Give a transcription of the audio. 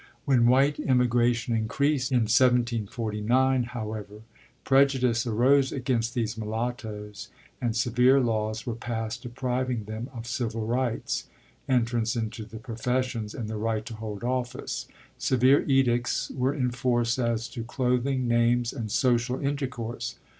When white immigration increased in 1749, however, prejudice arose against these mulattoes and severe laws were passed depriving them of civil rights, entrance into the professions, and the right to hold office; severe edicts were enforced as to clothing, names, and social intercourse.